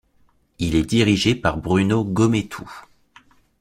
Il est dirigé par Bruno Gaumétou.